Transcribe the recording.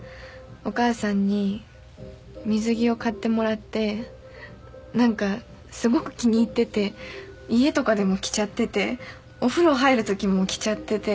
お母さんに水着を買ってもらって何かすごく気に入ってて家とかでも着ちゃっててお風呂入るときも着ちゃってて。